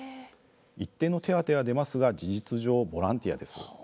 一定の手当は出ますが事実上ボランティアです。